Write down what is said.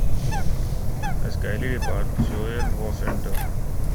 As Kaylee departs, Zoe and Wash enter.